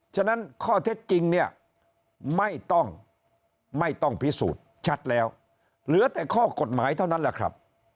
ฉะนั้นข้อเท็จจริงเนี่ยไม่ต้องไม่ต้องพิสูจน์ชัดแล้วเหลือแต่ข้อกฎหมายเท่านั้นแหละครับ